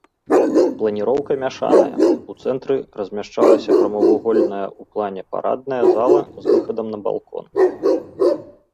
Планіроўка мяшаная, у цэнтры размяшчалася прамавугольная ў плане парадная зала з выхадам на балкон.